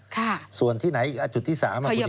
ค่ะส่วนที่ไหนจุดที่๓คุณนิวว่า